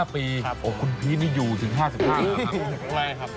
๕ปีคุณพีชนี่อยู่ถึง๕๕ครับ